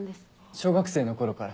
小学生の頃から。